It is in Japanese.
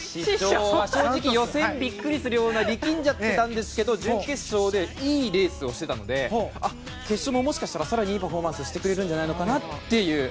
正直、予選びっくりするような力んじゃってたんですけど準決勝でいいレースをしてたのであっ、決勝ももしかしたら更にいいパフォーマンスをしてくれるんじゃないかという。